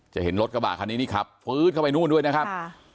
เห็นรถกระบะคันนี้นี่ขับฟื้ดเข้าไปนู่นด้วยนะครับ